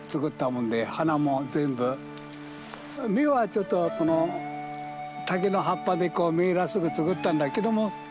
目はちょっとこの竹の葉っぱで目らしく作ったんだけども。